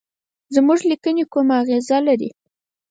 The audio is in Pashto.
زموږ لیکني کومه اغیزه لري.